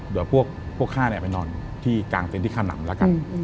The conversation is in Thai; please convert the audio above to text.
เดี๋ยวพวก๕ไปนอนที่กลางเตียงที่ข้ามหนำแล้วกัน